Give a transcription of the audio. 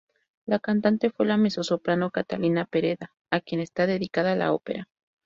La cantante fue la mezzosoprano Catalina Pereda, a quien está dedicada la ópera.